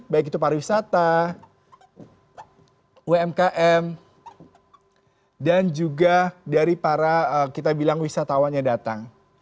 baik itu pariwisata umkm dan juga dari para kita bilang wisatawan yang datang